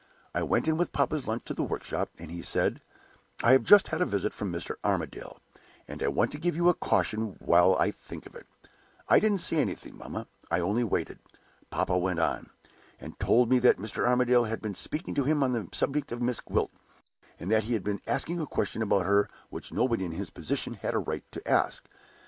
I went in with papa's lunch to the workshop, and he said, 'I have just had a visit from Mr. Armadale; and I want to give you a caution while I think of it.' I didn't say anything, mamma; I only waited. Papa went on, and told me that Mr. Armadale had been speaking to him on the subject of Miss Gwilt, and that he had been asking a question about her which nobody in his position had a right to ask.